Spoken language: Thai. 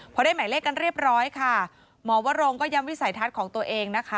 พอได้หมายเลขกันเรียบร้อยค่ะหมอวรงก็ย้ำวิสัยทัศน์ของตัวเองนะคะ